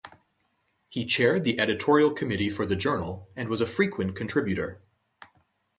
He chaired the editorial committee for the journal and was a frequent contributor.